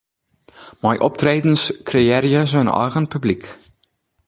Mei optredens kreëarje se in eigen publyk.